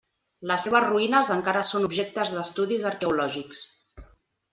Les seves ruïnes encara són objectes d'estudis arqueològics.